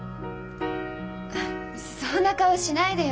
あっそんな顔しないでよ。